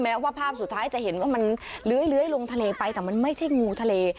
ว่าภาพสุดท้ายจะเห็นว่ามันเลื้อยลงทะเลไปแต่มันไม่ใช่งูทะเล